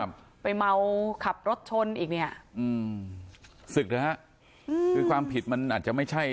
ไปเมาขับรถชนอีกเนี้ยอืมศึกเถอะฮะอืมคือความผิดมันอาจจะไม่ใช่